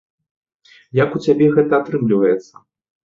Як у цябе гэта атрымліваецца?